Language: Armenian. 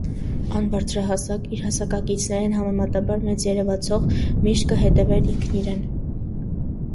Ան բարձրահասակ, իր հասակակիցներէն համեմատաբար մեծ երեւցող, միշտ կը հետեւէր ինքնիրեն։